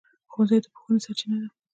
ښوونځی د پوهنې سرچینه ده.